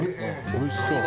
おいしそう」